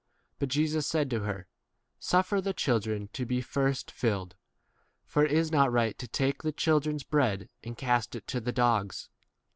But Jesus said to her, Suffer the children k to be first filled ; for it is not right to take the children' s k bread and cast it 28 to the dogs.